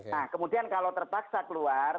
nah kemudian kalau terpaksa keluar